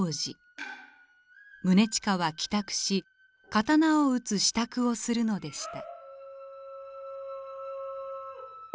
宗近は帰宅し刀を打つ支度をするのでした。